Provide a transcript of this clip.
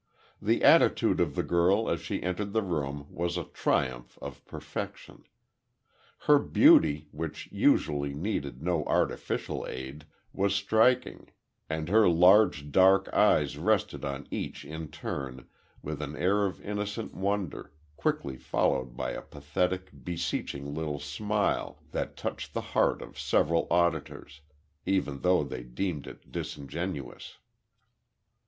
The attitude of the girl as she entered the room was a triumph of perfection. Her beauty, which usually needed no artificial aid, was striking, and her large dark eyes rested on each in turn with an air of innocent wonder, quickly followed by a pathetic, beseeching little smile that touched the heart of several auditors, even though they deemed it disingenuous.